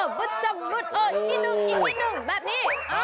อีกนิดหนึ่งอีกนิดหนึ่งแบบนี้